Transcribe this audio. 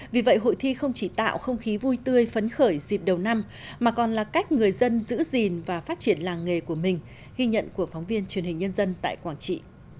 vì vậy hội thi không chỉ tạo không khí vui tươi phấn khởi dịp đầu năm mà còn là cách người dân giữ gìn và phát triển làng nghề của mình ghi nhận của phóng viên truyền hình nhân dân tại quảng trị